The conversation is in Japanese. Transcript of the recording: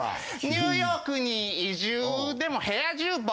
「ニューヨークに移住でも部屋中墨汁」